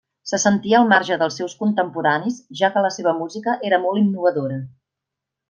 Se sentia al marge dels seus contemporanis, ja que la seva música era molt innovadora.